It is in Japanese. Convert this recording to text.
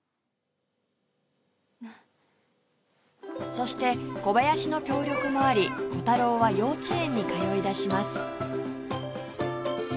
そして小林の協力もありコタローは幼稚園に通いだします